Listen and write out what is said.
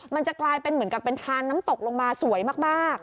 มันจะกลายเป็นเหมือนกับเป็นทานน้ำตกลงมาสวยมาก